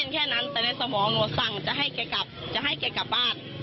แค่นั้นแต่ในสมองหนูสั่งจะให้แกกลับจะให้แกกลับบ้าน